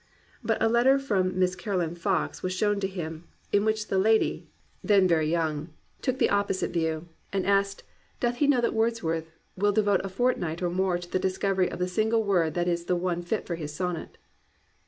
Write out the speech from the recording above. But a letter from Miss Caro line Fox was shown to him, in which that lady, (then 263 COMPANIONABLE BOOKS very young,) took the opposite view and asked "doth he know that Wordsworth will devote a fort night or more to the discovery of the single word that is the one fit for his sonnet."